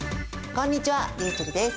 こんにちはりゅうちぇるです。